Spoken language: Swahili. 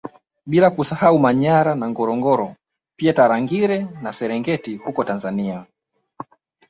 Bila kusahau Manyara na Ngorongoro pia Tarangire na Serengeti huko Tanzania